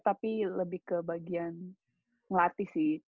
tapi lebih ke bagian ngelatih sih